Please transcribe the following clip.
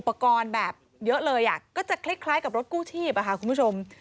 อุปกรณ์แบบเยอะเลยอ่ะก็จะคลิกคล้ายกับรถกู้ชีพอ่ะคุณผู้ชม